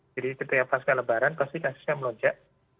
jadi setiap pasca lebaran pasti kasusnya melunjak